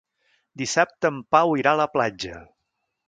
Dissabte en Pau irà a la platja.